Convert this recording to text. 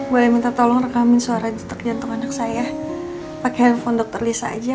boleh minta tolong rekaman suara jeruk jantung anak saya pakai handphone dokter lisa aja